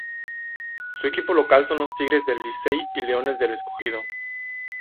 Su equipo local son los Tigres del Licey y Leones del Escogido.